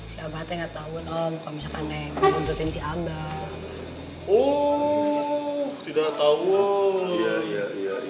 siapa enggak tahu om kalau misalkan menuntutin si abah oh tidak tahu ya